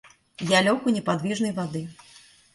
Я лег у неподвижной воды.